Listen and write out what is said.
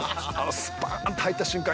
スパーンと入った瞬間